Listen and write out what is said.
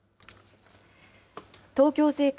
東京税関